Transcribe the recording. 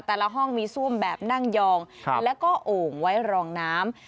ห้องมีซ่วมแบบนั่งยองแล้วก็โอ่งไว้รองน้ำ